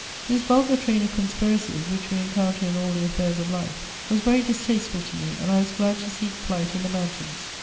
This vulgar train of conspiracies, which we encounter in all the affairs of life, was very distasteful to me, and I was glad to seek flight in the mountains.